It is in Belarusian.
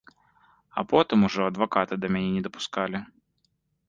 А потым ужо адваката да мяне не дапускалі.